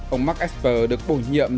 ông mark esper được bổ nhiệm